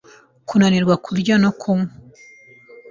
kunanirwa kurya no kunywa